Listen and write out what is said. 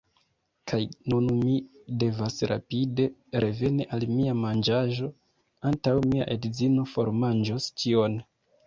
Kaj nun mi devas rapide reveni al mia manĝaĵo, antaŭ mia edzino formanĝos ĉion.